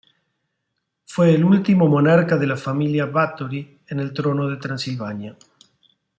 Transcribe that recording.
Fue el último monarca de la familia Báthory en el trono de Transilvania.